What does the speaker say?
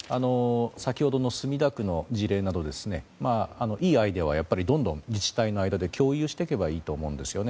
先ほどの墨田区の事例などいいアイデアはどんどん自治体の間で共有していけばいいと思うんですよね。